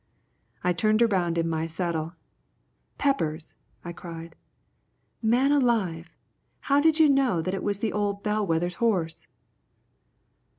I turned around in my saddle. "Peppers!" I cried. "Man alive! How did you know that it was the old bell wether's horse?"